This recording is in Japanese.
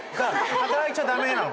働いちゃ駄目なの？